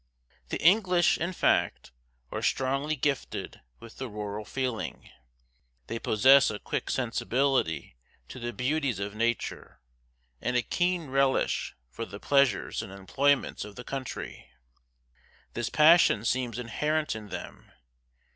The English, in fact, are strongly gifted with the rural feeling. They possess a quick sensibility to the beauties of nature, and a keen relish for the pleasures and employments of the country. This passion seems inherent in them.